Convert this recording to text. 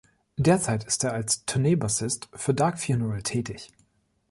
Derzeit ist er als Tourneebassist für Dark Funeral tätig.